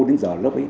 đến giờ lớp ấy